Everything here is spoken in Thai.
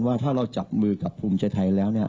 ว่าถ้าเราจับมือกับภูมิใจไทยแล้วเนี่ย